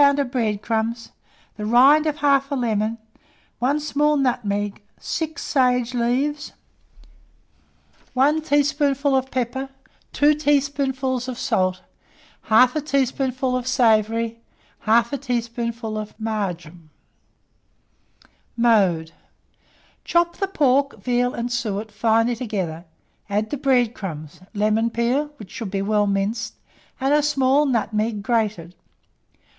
of bread crumbs, the rind of 1/2 lemon, 1 small nutmeg, 6 sage leaves, 1 teaspoonful of pepper, 2 teaspoonfuls of salt, 1/2 teaspoonful of savory, 1/2 teaspoonful of marjoram. Mode. Chop the pork, veal, and suet finely together, add the bread crumbs, lemon peel (which should be well minced), and a small nutmeg grated.